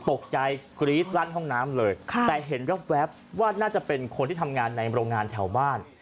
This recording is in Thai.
ตกใจกรี๊ดลั่นห้องน้ำเลยแต่เห็นแว๊บว่าน่าจะเป็นคนที่ทำงานในโรงงานแถวบ้าน